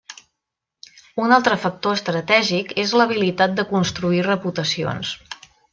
Un altre factor estratègic és l'habilitat de construir reputacions.